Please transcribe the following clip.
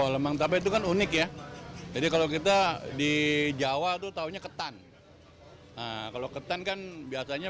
lemang tabe itu kan unik ya jadi kalau kita di jawa tuh tahunya ketan kalau ketan kan biasanya